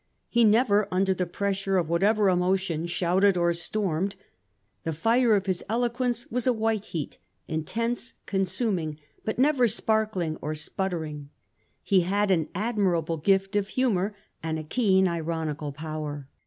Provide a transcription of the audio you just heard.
He never under the pressure of what ever emotion shouted or stormed. The fire of his eloquence was a white heat, intense, consuming, but never sparkling or sputtering. He had an admirable gift of humour and a keen ironical power.